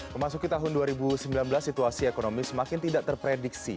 memasuki tahun dua ribu sembilan belas situasi ekonomi semakin tidak terprediksi